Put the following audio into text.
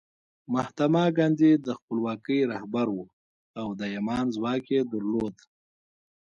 مهاتما ګاندي د خپلواکۍ رهبر و او د ایمان ځواک یې درلود